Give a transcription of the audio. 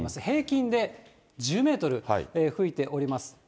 平均で１０メートル吹いております。